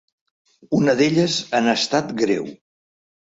Una d’elles en estat greu.